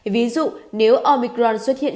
ví dụ nếu omicron xuất hiện